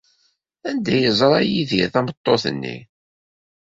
Anda ay yeẓra Yidir tameṭṭut-nni?